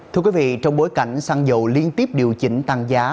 thưa quý vị trong bối cảnh xăng dầu liên tiếp điều chỉnh tăng giá